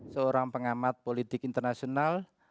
seorang pengamat politik internasional